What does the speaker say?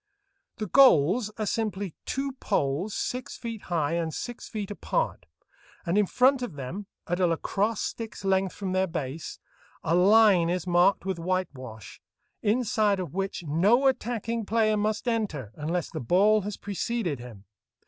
The goals are simply two poles six feet high and six feet apart, and in front of them, at a lacrosse stick's length from their base, a line is marked with whitewash, inside of which no attacking player must enter unless the ball has preceded him.